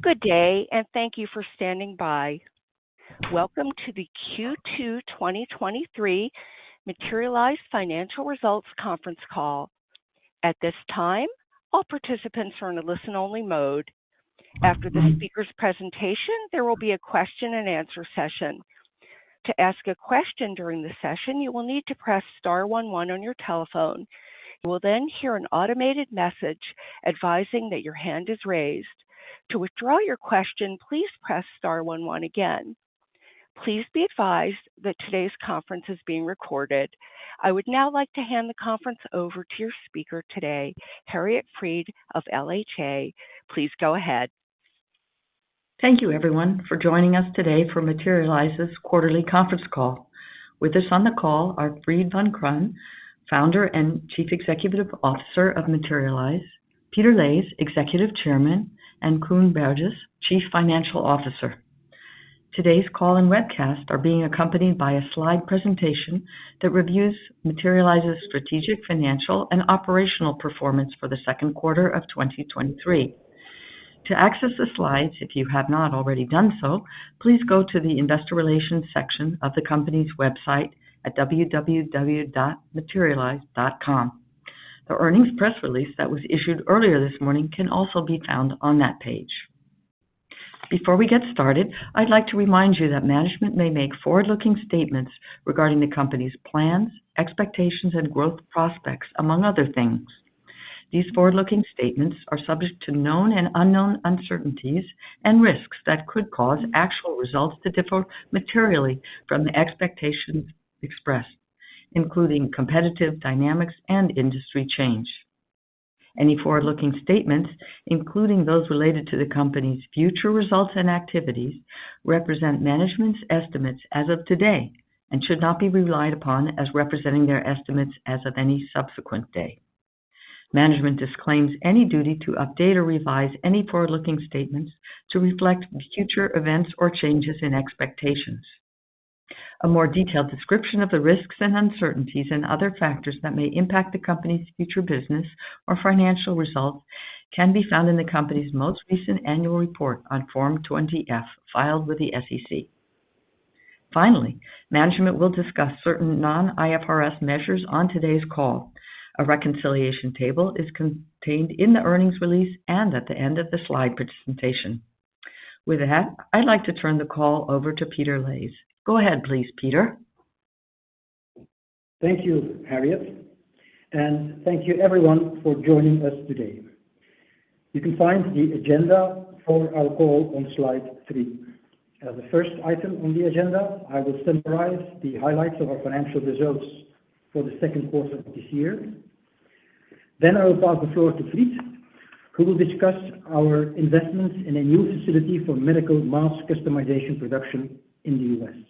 Good day. Thank you for standing by. Welcome to the Q2 2023 Materialise Financial Results Conference Call. At this time, all participants are in a listen-only mode. After the speaker's presentation, there will be a question-and-answer session. To ask a question during the session, you will need to press star one one on your telephone. You will hear an automated message advising that your hand is raised. To withdraw your question, please press star one one again. Please be advised that today's conference is being recorded. I would now like to hand the conference over to your speaker today, Harriet Fried of LHA. Please go ahead. Thank you, everyone, for joining us today for Materialise's quarterly conference call. With us on the call are Fried Vancraen, Founder and Chief Executive Officer of Materialise, Peter Leys, Executive Chairman, and Koen Berges, Chief Financial Officer. Today's call and webcast are being accompanied by a slide presentation that reviews Materialise's strategic, financial, and operational performance for the second quarter of 2023. To access the slides, if you have not already done so, please go to the investor relations section of the company's website at www.materialise.com. The earnings press release that was issued earlier this morning can also be found on that page. Before we get started, I'd like to remind you that management may make forward-looking statements regarding the company's plans, expectations, and growth prospects, among other things. These forward-looking statements are subject to known and unknown uncertainties and risks that could cause actual results to differ materially from the expectations expressed, including competitive dynamics and industry change. Any forward-looking statements, including those related to the company's future results and activities, represent management's estimates as of today and should not be relied upon as representing their estimates as of any subsequent day. Management disclaims any duty to update or revise any forward-looking statements to reflect future events or changes in expectations. A more detailed description of the risks and uncertainties and other factors that may impact the company's future business or financial results can be found in the company's most recent annual report on Form 20-F, filed with the SEC. Finally, management will discuss certain non-IFRS measures on today's call. A reconciliation table is contained in the earnings release and at the end of the slide presentation. With that, I'd like to turn the call over to Peter Leys. Go ahead, please, Peter. Thank you, Harriet, and thank you everyone for joining us today. You can find the agenda for our call on slide three. As the first item on the agenda, I will summarize the highlights of our financial results for the second quarter of this year. I will pass the floor to Fried, who will discuss our investments in a new facility for medical mass customization production in the U.S.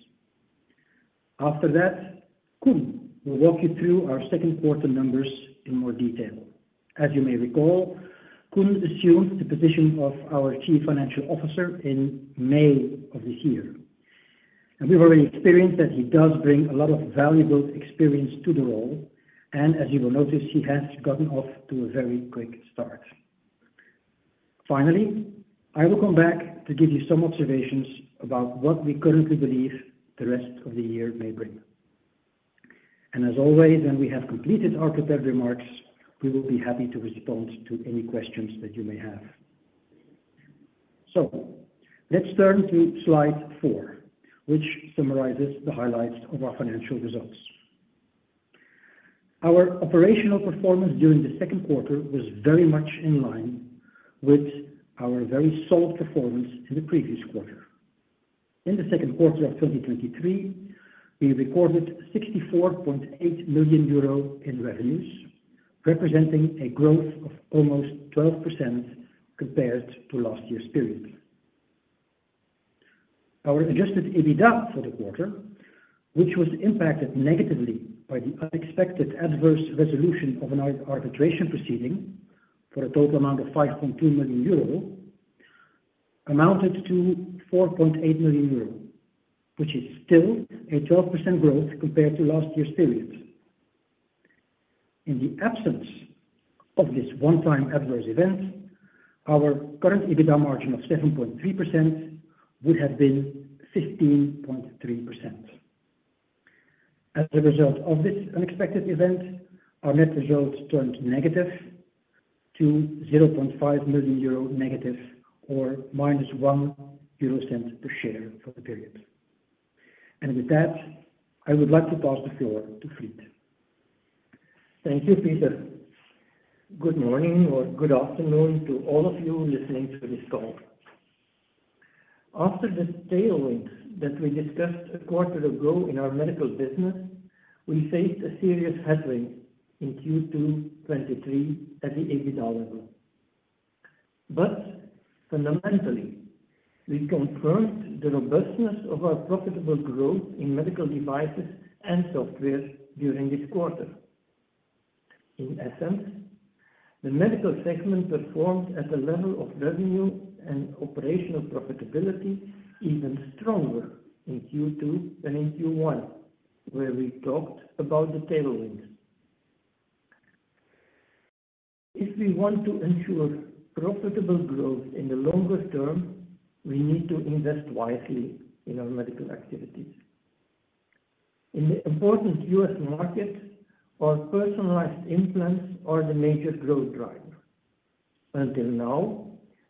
After that, Koen will walk you through our second quarter numbers in more detail. As you may recall, Koen assumed the position of our Chief Financial Officer in May of this year, we've already experienced that he does bring a lot of valuable experience to the role, as you will notice, he has gotten off to a very quick start. Finally, I will come back to give you some observations about what we currently believe the rest of the year may bring. As always, when we have completed our prepared remarks, we will be happy to respond to any questions that you may have. Let's turn to slide four, which summarizes the highlights of our financial results. Our operational performance during the second quarter was very much in line with our very solid performance in the previous quarter. In the second quarter of 2023, we recorded 64.8 million euro in revenues, representing a growth of almost 12% compared to last year's period. Our Adjusted EBITDA for the quarter, which was impacted negatively by the unexpected adverse resolution of an arbitration proceeding for a total amount of 5.2 million euro, amounted to 4.8 million euro, which is still a 12% growth compared to last year's period. In the absence of this one-time adverse event, our current EBITDA margin of 7.3% would have been 15.3%. As a result of this unexpected event, our net results turned negative to 0.5 million euro negative or minus 0.01 per share for the period. With that, I would like to pass the floor to Fried. Thank you, Peter. Good morning or good afternoon to all of you listening to this call. After the tailwind that we discussed a quarter ago in our medical business, we faced a serious headwind in Q2 2023 at the EBITDA level. Fundamentally, we confirmed the robustness of our profitable growth in medical devices and software during this quarter. In essence, the medical segment performed at a level of revenue and operational profitability even stronger in Q2 than in Q1, where we talked about the tailwind. If we want to ensure profitable growth in the longer term, we need to invest wisely in our medical activities. In the important U.S. market, our personalized implants are the major growth driver. Until now,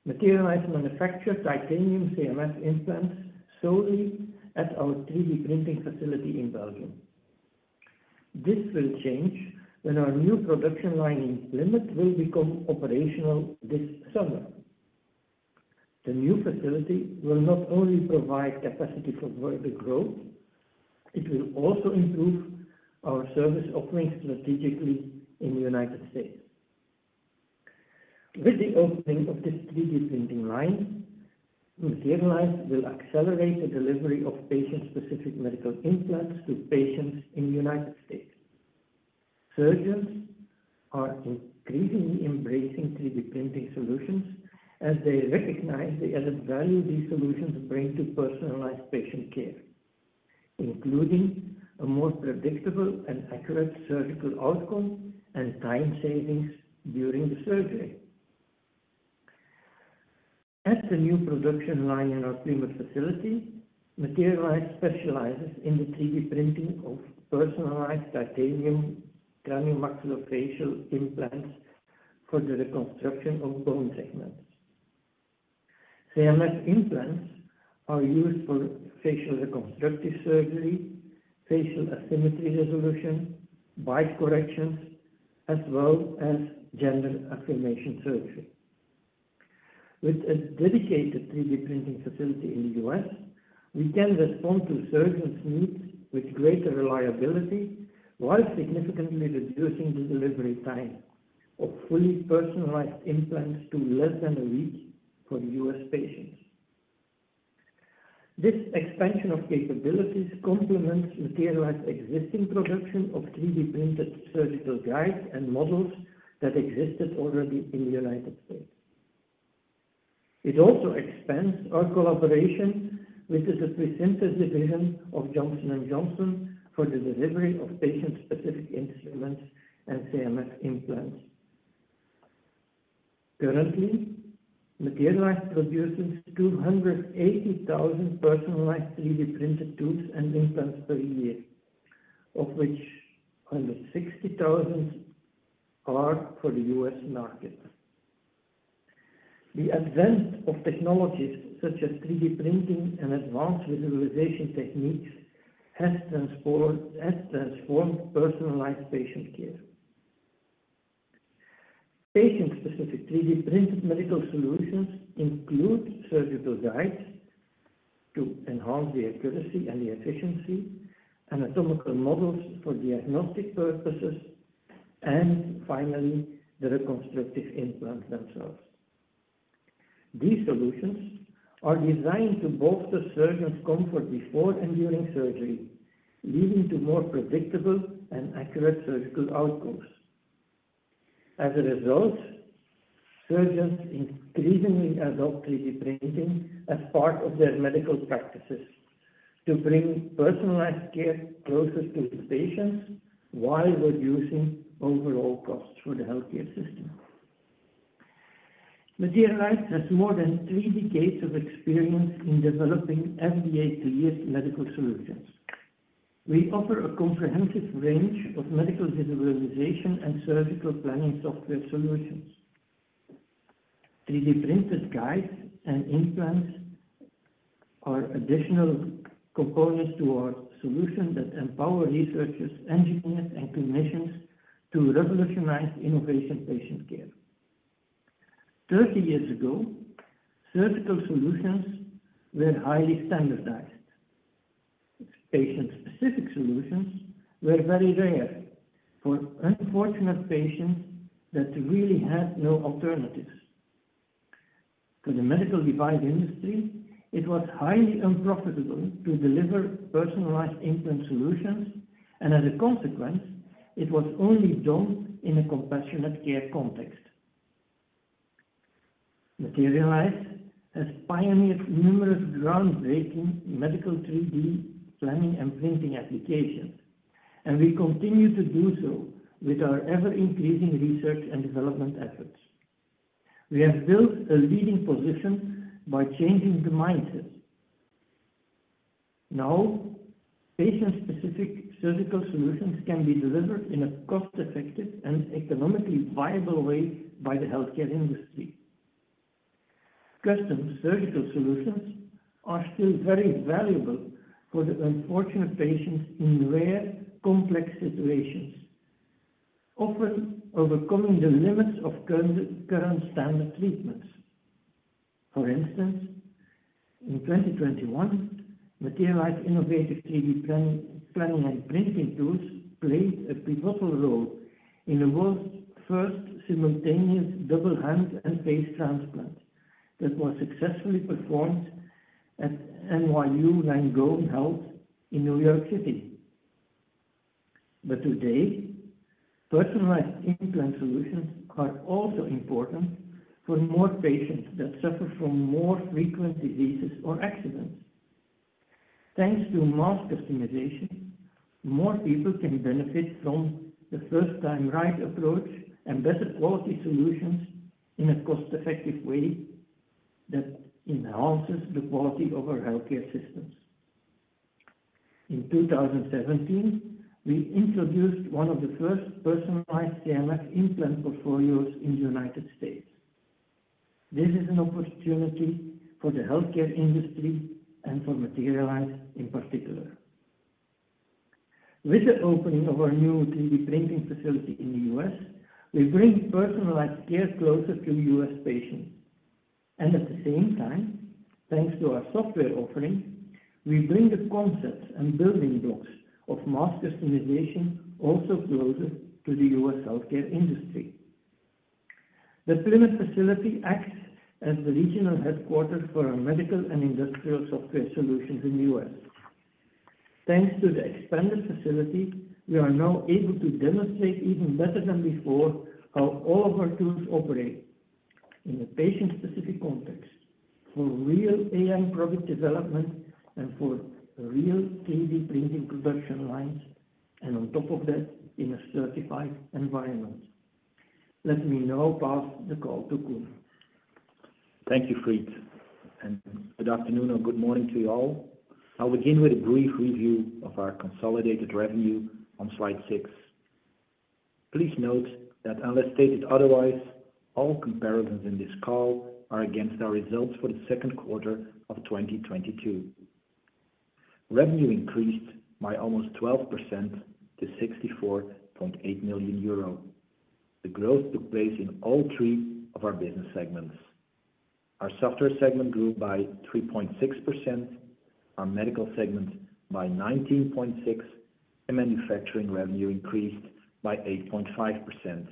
Materialise manufactured titanium CMF implants solely at our 3D printing facility in Belgium. This will change when our new production line in Plymouth will become operational this summer. The new facility will not only provide capacity for further growth, it will also improve our service offerings strategically in the U.S. With the opening of this 3D printing line, Materialise will accelerate the delivery of patient-specific medical implants to patients in the U.S. Surgeons are increasingly embracing 3D printing solutions, as they recognize the added value these solutions bring to personalized patient care, including a more predictable and accurate surgical outcome and time savings during the surgery. At the new production line in our Plymouth facility, Materialise specializes in the 3D printing of personalized titanium craniomaxillofacial implants for the reconstruction of bone segments. CMF implants are used for facial reconstructive surgery, facial asymmetry resolution, bite corrections, as well as gender affirmation surgery. With a dedicated 3D printing facility in the U.S., we can respond to surgeons' needs with greater reliability, while significantly reducing the delivery time of fully personalized implants to less than a week for U.S. patients. This expansion of capabilities complements Materialise's existing production of 3D-printed surgical guides and models that existed already in the United States. It also expands our collaboration, which is a presented division of Johnson & Johnson, for the delivery of patient-specific instruments and CMF implants. Currently, Materialise produces 280,000 personalized, 3D-printed tools and implants per year, of which under 60,000 are for the U.S. market. The advent of technologies such as 3D printing and advanced visualization techniques has transformed personalized patient care. Patient-specific 3D-printed medical solutions include surgical guides to enhance the accuracy and the efficiency, anatomical models for diagnostic purposes, and finally, the reconstructive implants themselves. These solutions are designed to bolster surgeons' comfort before and during surgery, leading to more predictable and accurate surgical outcomes. As a result, surgeons increasingly adopt 3D printing as part of their medical practices to bring personalized care closer to the patients, while reducing overall costs for the healthcare system. Materialise has more than three decades of experience in developing FDA cleared medical solutions. We offer a comprehensive range of medical visualization and surgical planning software solutions. 3D-printed guides and implants are additional components to our solution that empower researchers, engineers, and clinicians to revolutionize innovation patient care. 30 years ago, surgical solutions were highly standardized. Patient-specific solutions were very rare for unfortunate patients that really had no alternatives. To the medical device industry, it was highly unprofitable to deliver personalized implant solutions, and as a consequence, it was only done in a compassionate care context. Materialise has pioneered numerous groundbreaking medical 3D planning and printing applications, and we continue to do so with our ever-increasing research and development efforts. We have built a leading position by changing the mindset. Now, patient-specific surgical solutions can be delivered in a cost-effective and economically viable way by the healthcare industry. Custom surgical solutions are still very valuable for the unfortunate patients in rare, complex situations, often overcoming the limits of current standard treatments. For instance, in 2021, Materialise innovative 3D planning and printing tools played a pivotal role in the world's first simultaneous double hand and face transplant, that was successfully performed at NYU Langone Health in New York City. Today, personalized implant solutions are also important for more patients that suffer from more frequent diseases or accidents. Thanks to mass customization, more people can benefit from the first time right approach and better quality solutions in a cost-effective way that enhances the quality of our healthcare systems. In 2017, we introduced one of the first personalized CMF implant portfolios in the U.S. This is an opportunity for the healthcare industry and for Materialise in particular. With the opening of our new 3D printing facility in the U.S., we bring personalized care closer to U.S. patients, and at the same time, thanks to our software offering, we bring the concepts and building blocks of mass customization also closer to the U.S. healthcare industry. The Plymouth facility acts as the regional headquarters for our medical and industrial software solutions in the U.S. Thanks to the expanded facility, we are now able to demonstrate even better than before, how all of our tools operate in a patient-specific context for real AM product development and for real 3D printing production lines, and on top of that, in a certified environment. Let me now pass the call to Koen. Thank you, Fried, good afternoon or good morning to you all. I'll begin with a brief review of our consolidated revenue on slide six. Please note that unless stated otherwise, all comparisons in this call are against our results for the 2Q of 2022. Revenue increased by almost 12% to 64.8 million euro. The growth took place in all 3 of our business segments. Our software segment grew by 3.6%, our medical segment by 19.6%, and manufacturing revenue increased by 8.5%.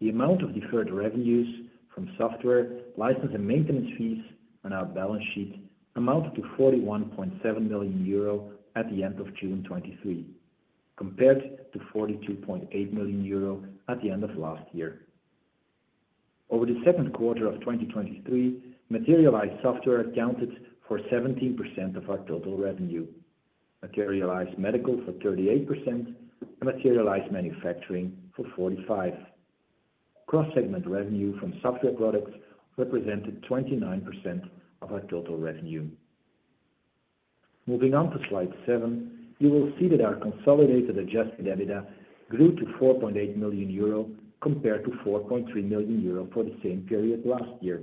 The amount of deferred revenues from software, license, and maintenance fees on our balance sheet amounted to 41.7 million euro at the end of June 2023, compared to 42.8 million euro at the end of last year. Over the second quarter of 2023, Materialise Software accounted for 17% of our total revenue. Materialise Medical for 38%, and Materialise Manufacturing for 45%. Cross-segment revenue from software products represented 29% of our total revenue. Moving on to slide 7, you will see that our consolidated Adjusted EBITDA grew to 4.8 million euro, compared to 4.3 million euro for the same period last year,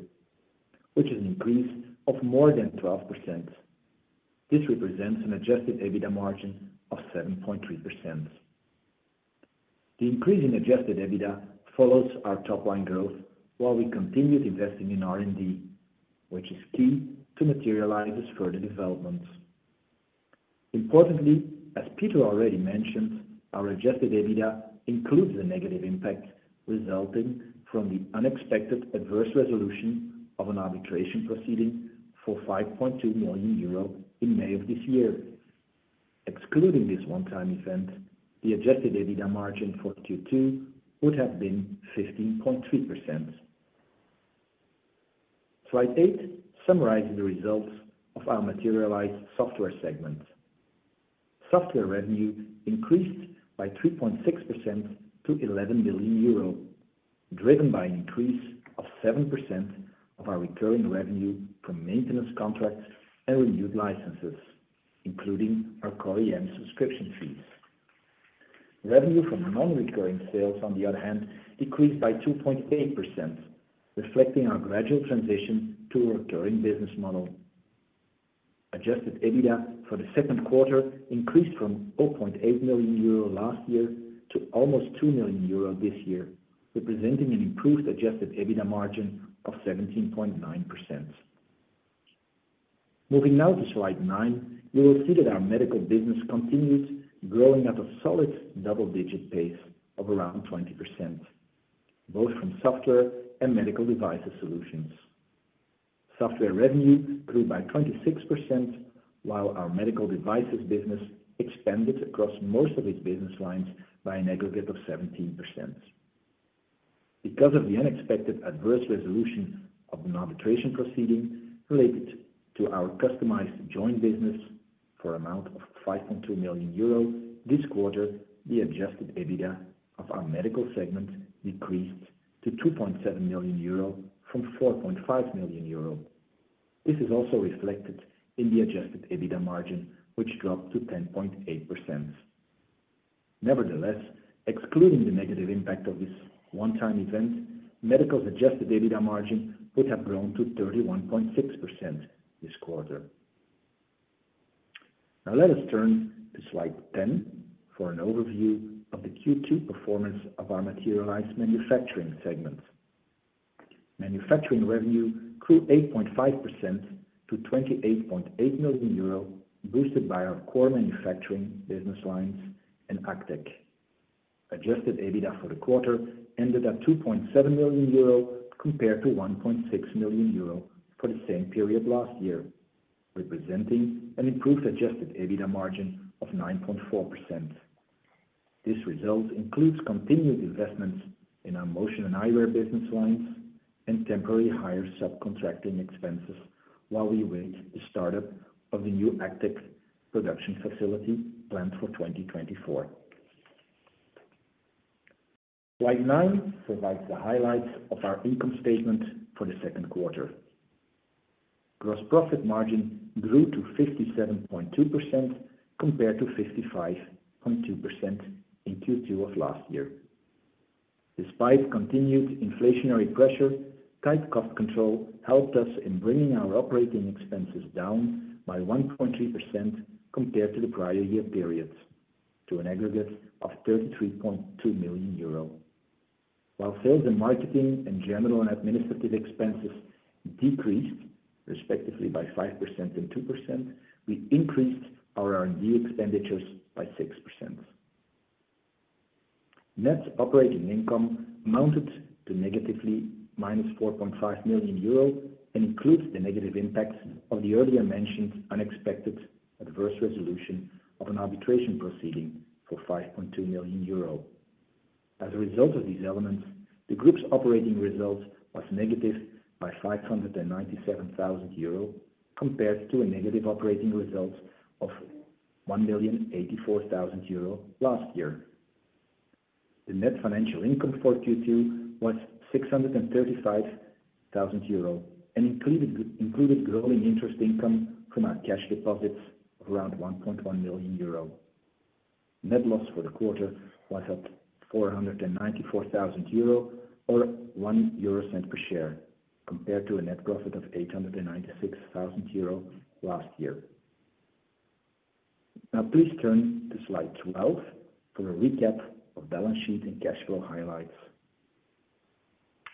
which is an increase of more than 12%. This represents an Adjusted EBITDA margin of 7.3%. The increase in Adjusted EBITDA follows our top-line growth, while we continued investing in R&D, which is key to Materialise's further developments. Importantly, as Peter already mentioned, our Adjusted EBITDA includes the negative impact resulting from the unexpected adverse resolution of an arbitration proceeding for 5.2 million euro in May of this year. Excluding this one-time event, the Adjusted EBITDA margin for Q2 would have been 15.3%. Slide eight summarizes the results of our Materialise Software segment. Software revenue increased by 3.6% to 11 million euro, driven by an increase of 7% of our recurring revenue from maintenance contracts and renewed licenses, including our CO-AM subscription fees. Revenue from non-recurring sales, on the other hand, decreased by 2.8%, reflecting our gradual transition to a recurring business model. Adjusted EBITDA for the second quarter increased from 4.8 million euro last year to almost 2 million euro this year, representing an improved Adjusted EBITDA margin of 17.9%. Moving now to Slide 9, you will see that our medical business continues growing at a solid double-digit pace of around 20%, both from software and medical devices solutions. Software revenue grew by 26%, while our medical devices business expanded across most of its business lines by an aggregate of 17%. Because of the unexpected adverse resolution of an arbitration proceeding related to our customized joint business for an amount of 5.2 million euro, this quarter, the Adjusted EBITDA of our medical segment decreased to 2.7 million euro from 4.5 million euro. This is also reflected in the Adjusted EBITDA margin, which dropped to 10.8%. Nevertheless, excluding the negative impact of this one-time event, medical's Adjusted EBITDA margin would have grown to 31.6% this quarter. Let us turn to slide 10 for an overview of the Q2 performance of our Materialise Manufacturing segment. Manufacturing revenue grew 8.5% to 28.8 million euro, boosted by our core manufacturing business lines and ACTech. Adjusted EBITDA for the quarter ended at 2.7 million euro, compared to 1.6 million euro for the same period last year, representing an improved Adjusted EBITDA margin of 9.4%. This result includes continued investments in our motion and eyewear business lines, temporary higher subcontracting expenses, while we await the startup of the new ACTech production facility planned for 2024. Slide nine provides the highlights of our income statement for the second quarter. Gross profit margin grew to 57.2%, compared to 55.2% in Q2 of last year. Despite continued inflationary pressure, tight cost control helped us in bringing our operating expenses down by 1.3% compared to the prior year period, to an aggregate of 33.2 million euros. While sales and marketing and general and administrative expenses decreased, respectively, by 5% and 2%, we increased our R&D expenditures by 6%. Net operating income amounted to negatively minus 4.5 million euros and includes the negative impacts of the earlier mentioned unexpected adverse resolution of an arbitration proceeding for 5.2 million euro. As a result of these elements, the group's operating results was negative by 597 thousand euro, compared to a negative operating result of 1.084 million euro last year. The net financial income for Q2 was 635,000 euro, and included growing interest income from our cash deposits of around 1.1 million euro. Net loss for the quarter was at 494,000 euro or 0.01 per share, compared to a net profit of 896,000 euro last year. Please turn to slide 12 for a recap of balance sheet and cash flow highlights.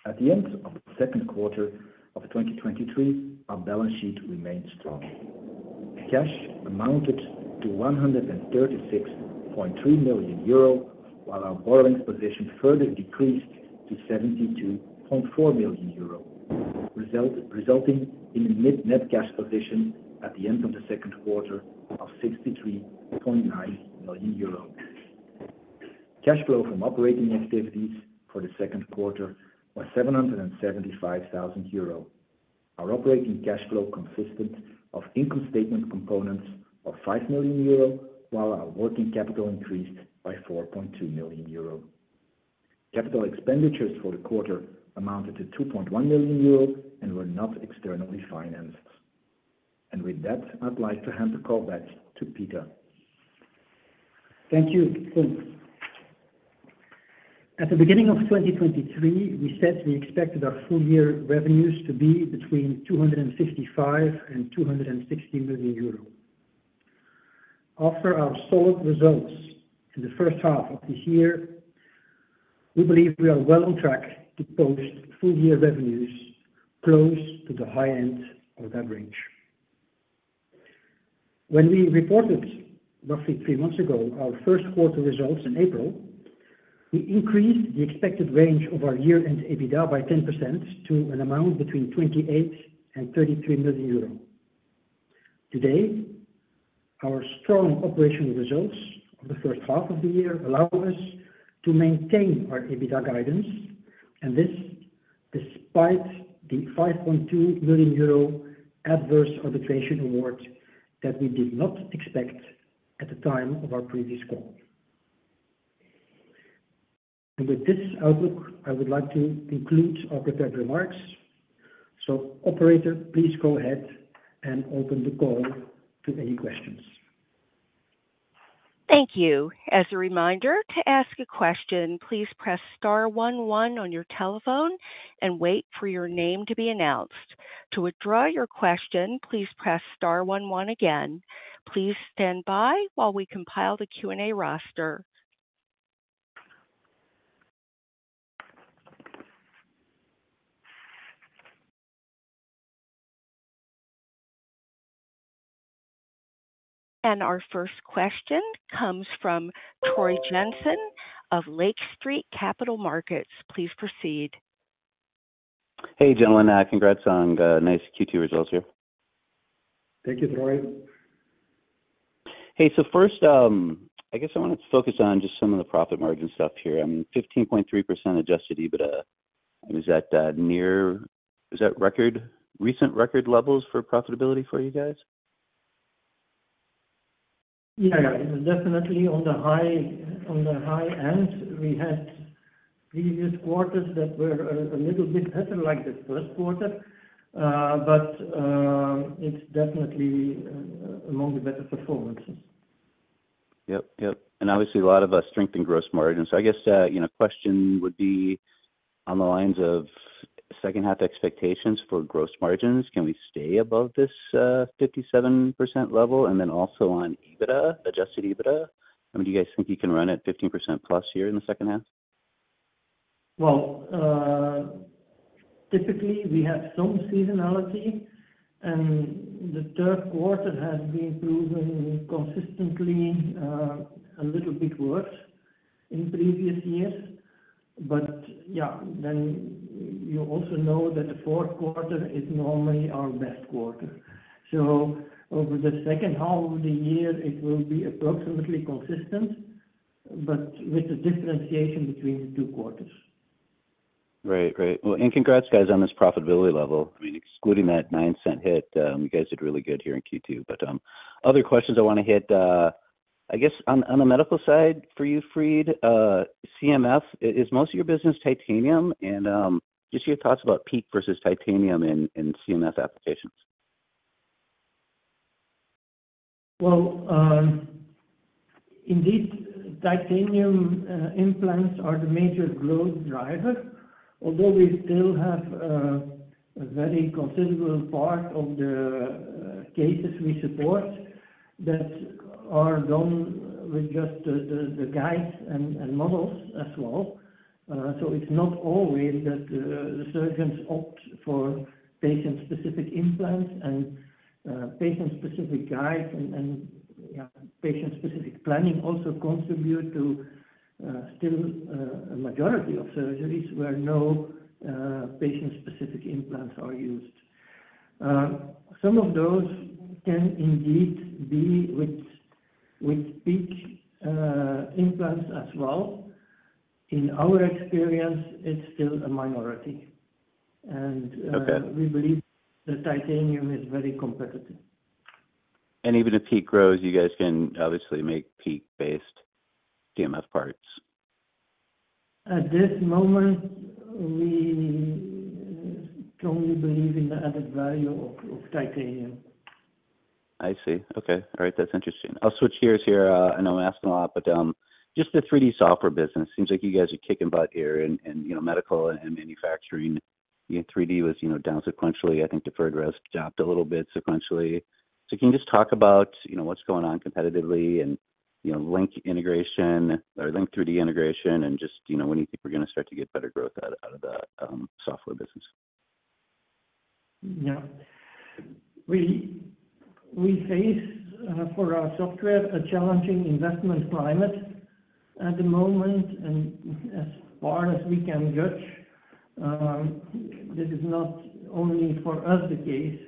At the end of the second quarter of 2023, our balance sheet remained strong. Cash amounted to 136.3 million euro, while our borrowings position further decreased to 72.4 million euro. resulting in a mid net cash position at the end of the second quarter of 63.9 million euros. Cash flow from operating activities for the second quarter was 775,000 euro. Our operating cash flow consisted of income statement components of 5 million euro, while our working capital increased by 4.2 million euro. Capital expenditures for the quarter amounted to 2.1 million euro and were not externally financed. With that, I'd like to hand the call back to Peter. Thank you, Koen. At the beginning of 2023, we said we expected our full year revenues to be between 255 million and 260 million euros. After our solid results in the first half of the year, we believe we are well on track to post full year revenues close to the high end of that range. We reported, roughly three months ago, our first quarter results in April, we increased the expected range of our year-end EBITDA by 10% to an amount between 28 million and 33 million euros. Today, our strong operational results of the first half of the year allow us to maintain our EBITDA guidance, and this despite the 5.2 million euro adverse arbitration award that we did not expect at the time of our previous call. With this outlook, I would like to conclude our prepared remarks. Operator, please go ahead and open the call to any questions. Thank you. As a reminder, to ask a question, please press star one one on your telephone and wait for your name to be announced. To withdraw your question, please press star one one again. Please stand by while we compile the Q&A roster. Our first question comes from Troy Jensen of Lake Street Capital Markets. Please proceed. Hey, gentlemen. congrats on the nice Q2 results here. Thank you, Troy. First, I guess I wanted to focus on just some of the profit margin stuff here. 15.3% Adjusted EBITDA, is that, is that record, recent record levels for profitability for you guys? Yeah, yeah, definitely on the high end, we had previous quarters that were a little bit better, like the first quarter. It's definitely among the better performances. Yep, obviously a lot of our strength in gross margins. I guess, you know, question would be on the lines of second half expectations for gross margins. Can we stay above this, 57% level? Also on EBITDA, Adjusted EBITDA, I mean, do you guys think you can run at 15%+ here in the second half? Well, typically, we have some seasonality, and the third quarter has been proven consistently, a little bit worse in previous years. Yeah, you also know that the fourth quarter is normally our best quarter. Over the second half of the year, it will be approximately consistent, but with a differentiation between the two quarters. Great, great. Congrats, guys, on this profitability level. I mean, excluding that $0.09 hit, you guys did really good here in Q2. Other questions I want to hit, I guess, on the medical side for you, Fried, CMF, is most of your business titanium? Just your thoughts about PEEK versus titanium in CMF applications? Well, indeed, titanium implants are the major growth driver. We still have a very considerable part of the cases we support that are done with just the guides and models as well. It's not always that the surgeons opt for patient-specific implants and patient-specific guides and, yeah, patient-specific planning also contribute to still a majority of surgeries where no patient-specific implants are used. Some of those can indeed be with PEEK implants as well. In our experience, it's still a minority. Okay. We believe the titanium is very competitive. Even if PEEK grows, you guys can obviously make PEEK-based DMS parts. At this moment, we strongly believe in the added value of titanium. I see. Okay. All right, that's interesting. I'll switch gears here. I know I'm asking a lot, but just the 3D software business, seems like you guys are kicking butt here in, you know, medical and manufacturing. In 3D was, you know, down sequentially, I think deferred growth dropped a little bit sequentially. Can you just talk about, you know, what's going on competitively and, you know, link integration or Link3D integration, and just, you know, when you think we're gonna start to get better growth out of that software business? Yeah. We face for our software, a challenging investment climate at the moment. As far as we can judge, this is not only for us the case,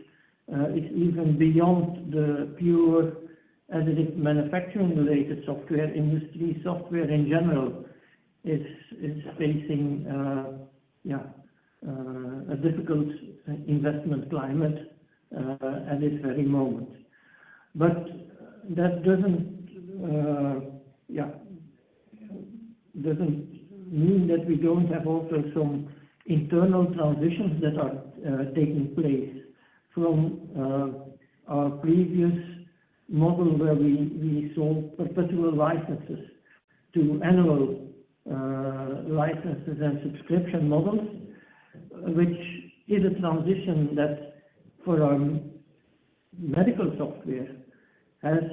it's even beyond the pure additive manufacturing-related software industry. Software, in general, is facing a difficult investment climate at this very moment. That doesn't, yeah, doesn't mean that we don't have also some internal transitions that are taking place from our previous model, where we sold perpetual licenses to annual licenses and subscription models. Which is a transition that for our medical software has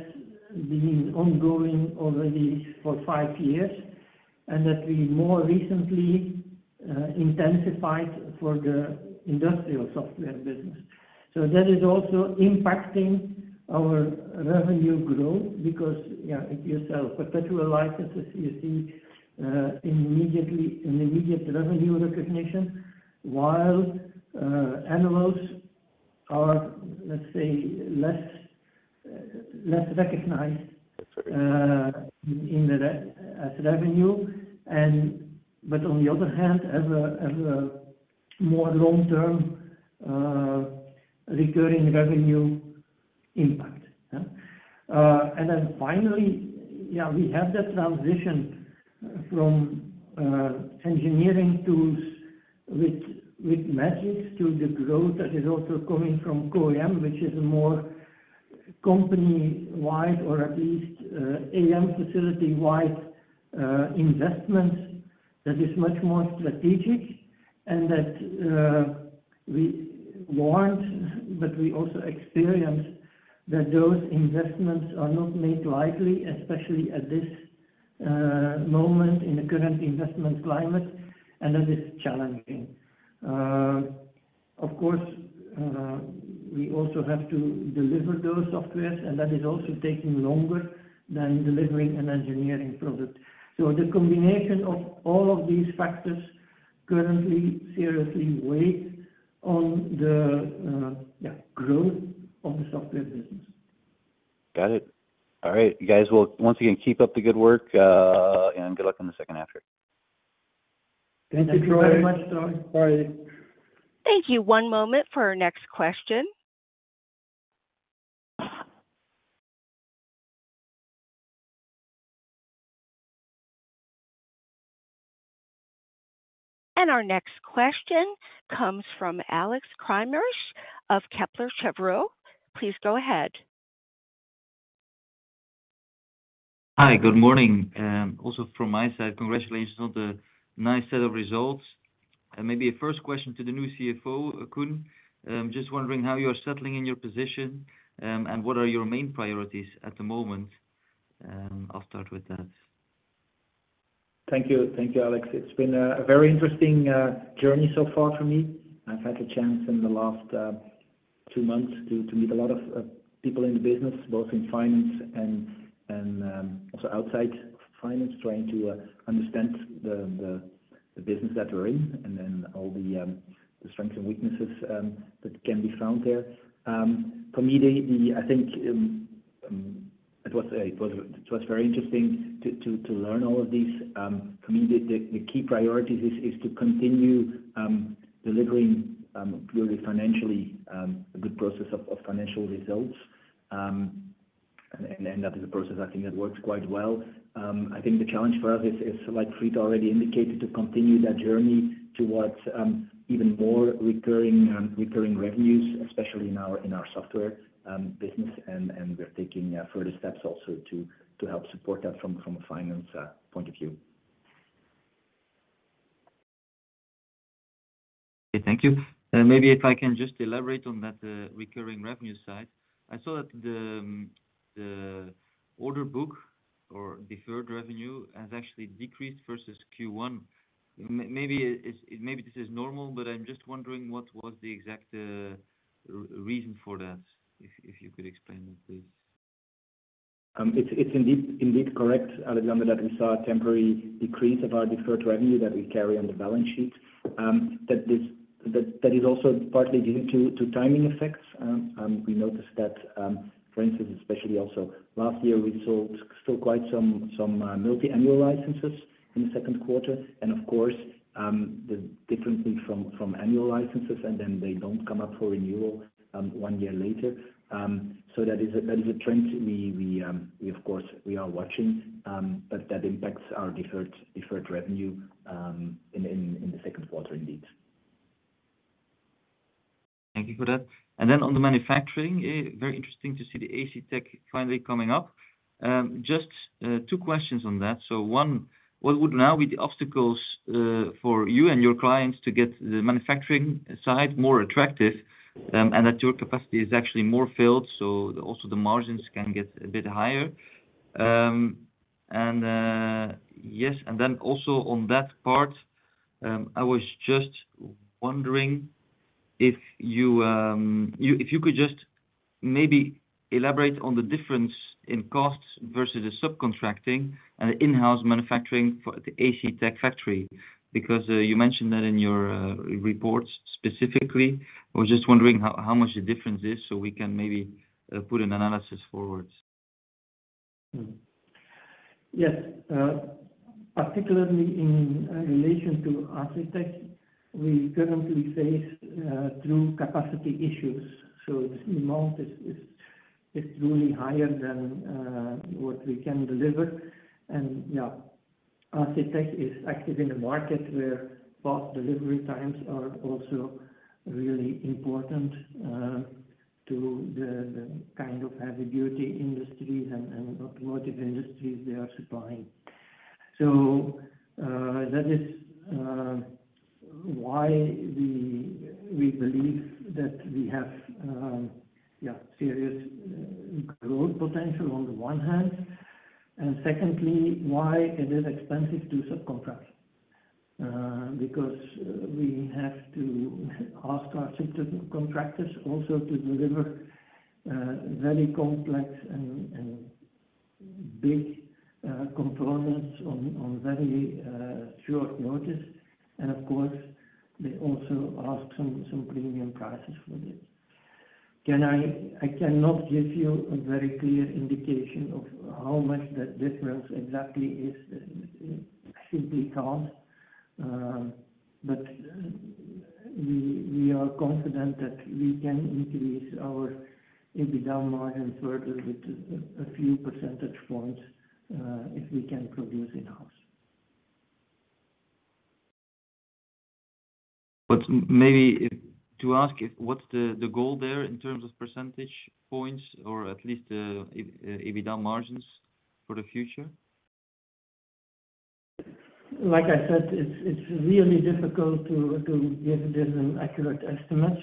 been ongoing already for five years, and that we more recently intensified for the industrial software business. That is also impacting our revenue growth because if you sell perpetual licenses, you see an immediate revenue recognition, while annuals are, let's say, less recognized as revenue. On the other hand, have a more long-term recurring revenue impact. Finally, we have that transition from engineering tools with Magics to the growth that is also coming from CO-AM, which is a more company-wide, or at least AM facility-wide investment, that is much more strategic and that we want, but we also experience that those investments are not made lightly, especially at this moment in the current investment climate, and that is challenging. Of course, we also have to deliver those softwares, and that is also taking longer than delivering an engineering product. The combination of all of these factors currently seriously weigh on the, yeah, growth of the software business. Got it. All right, you guys, well, once again, keep up the good work, and good luck on the second half. Thank you very much, Troy. Bye. Thank you. One moment for our next question. Our next question comes from Alexander Craeymeersch of Kepler Cheuvreux. Please go ahead. Hi, good morning. Also from my side, congratulations on the nice set of results. Maybe a first question to the new CFO, Koen. Just wondering how you are settling in your position, and what are your main priorities at the moment? I'll start with that. Thank you. Thank you, Alex. It's been a very interesting journey so far for me. I've had a chance in the last two months to meet a lot of people in the business, both in finance and also outside finance, trying to understand the business that we're in, and then all the strengths and weaknesses that can be found there. For me, I think it was very interesting to learn all of these. For me, the key priorities is to continue delivering really financially a good process of financial results. That is a process I think that works quite well. I think the challenge for us is like Fried already indicated, to continue that journey towards even more recurring revenues, especially in our software business. We're taking further steps also to help support that from a finance point of view. Okay, thank you. Maybe if I can just elaborate on that recurring revenue side. I saw that the order book or deferred revenue has actually decreased versus Q1. Maybe this is normal, but I'm just wondering what was the exact reason for that, if you could explain that, please? It's indeed correct, Alexander, that we saw a temporary decrease of our deferred revenue that we carry on the balance sheet. That is also partly due to timing effects. We noticed that, for instance, especially also last year, we sold still quite some multi-annual licenses in the second quarter. Of course, differently from annual licenses, then they don't come up for renewal one year later. That is a trend we of course we are watching, but that impacts our deferred revenue in the second quarter indeed. Thank you for that. On the manufacturing, very interesting to see the ACTech finally coming up. Just two questions on that. One, what would now be the obstacles for you and your clients to get the manufacturing side more attractive, and that your capacity is actually more filled, so also the margins can get a bit higher? Yes, also on that part, I was just wondering if you could just maybe elaborate on the difference in costs versus the subcontracting and the in-house manufacturing for the ACTech factory. You mentioned that in your reports specifically. I was just wondering how much the difference is, so we can maybe put an analysis forward. Yes. Particularly in relation to ACTech, we currently face two capacity issues. The amount is really higher than what we can deliver. Yeah, ACTech is active in a market where fast delivery times are also really important to the kind of heavy-duty industries and automotive industries they are supplying. That is why we believe that we have, yeah, serious growth potential on the one hand, and secondly, why it is expensive to subcontract. Because we have to ask our system contractors also to deliver very complex and big components on very short notice. Of course, they also ask some premium prices for this. I cannot give you a very clear indication of how much the difference exactly is, simply can't. We are confident that we can increase our EBITDA margins further with a few percentage points if we can produce in-house. Maybe to ask, what's the goal there in terms of percentage points or at least, EBITDA margins for the future? Like I said, it's really difficult to give this an accurate estimate.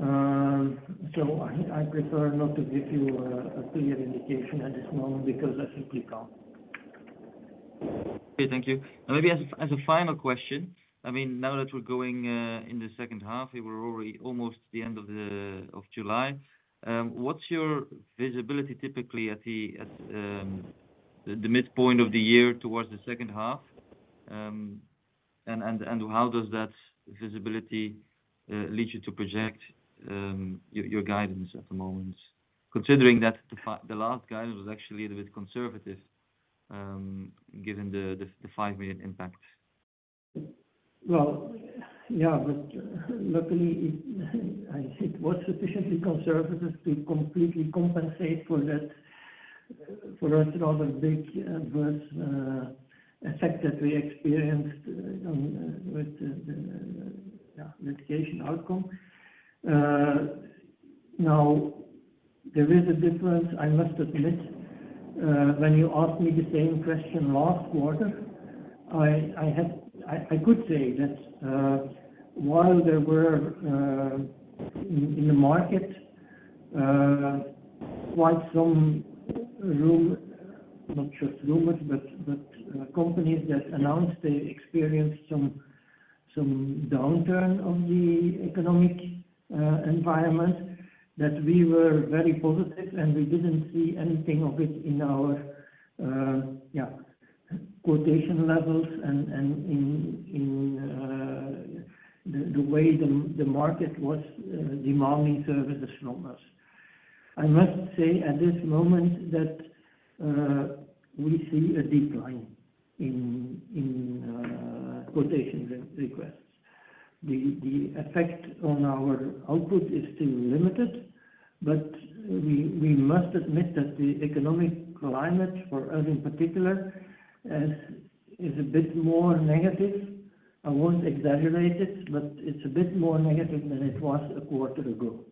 I prefer not to give you a clear indication at this moment because I simply can't. Okay, thank you. Maybe as a, as a final question, I mean, now that we're going in the second half, we were already almost the end of July. What's your visibility typically at the midpoint of the year towards the second half? How does that visibility lead you to project your guidance at the moment? Considering that the last guidance was actually a little bit conservative, given the EUR 5 million impact. Luckily, it was sufficiently conservative to completely compensate for that, for us, rather big, worse effect that we experienced with the, yeah, litigation outcome. There is a difference, I must admit, when you asked me the same question last quarter, I could say that while there were in the market quite some rumor, not just rumors, but companies that announced they experienced some downturn on the economic environment, that we were very positive and we didn't see anything of it in our, yeah, quotation levels and in the way the market was demanding services from us. I must say, at this moment that we see a decline in quotation re-requests. The effect on our output is still limited, but we must admit that the economic climate, for us in particular, is a bit more negative. I won't exaggerate it, but it's a bit more negative than it was a quarter ago.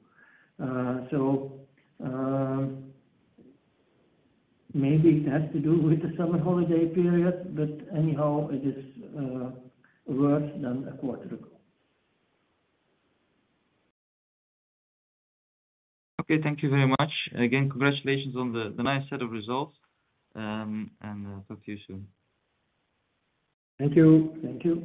Maybe it has to do with the summer holiday period, but anyhow, it is worse than a quarter ago. Okay, thank you very much. Again, congratulations on the nice set of results, and talk to you soon. Thank you. Thank you.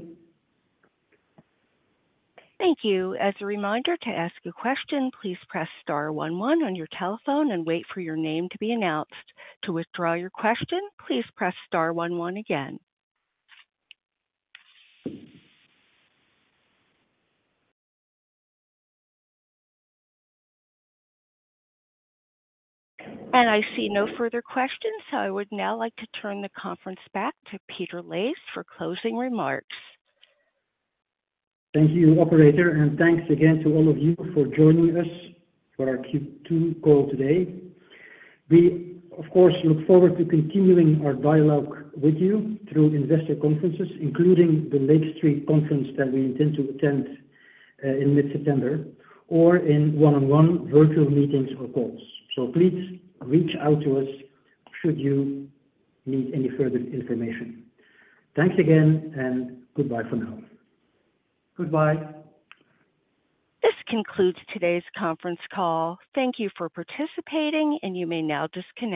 Thank you. As a reminder, to ask a question, please press star one one on your telephone and wait for your name to be announced. To withdraw your question, please press star one one again. I see no further questions, so I would now like to turn the conference back to Peter Leys for closing remarks. Thank you, operator, and thanks again to all of you for joining us for our Q2 call today. We, of course, look forward to continuing our dialogue with you through investor conferences, including the Lake Street conference that we intend to attend in mid-September, or in one-on-one virtual meetings or calls. Please reach out to us should you need any further information. Thanks again, and goodbye for now. Goodbye. This concludes today's conference call. Thank you for participating. You may now disconnect.